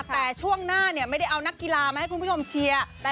แต่ช่วงหน้าไม่ได้เอานักกีฬามาให้คุณผู้ชมเชียร์